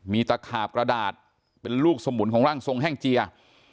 มีตะขาบกระดาษเป็นลูกสมุนของร่างทรงแห้งเจีย